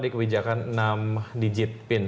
ini kebijakan enam digit pin